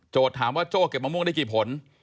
ถามว่าโจ้เก็บมะม่วงได้กี่ผล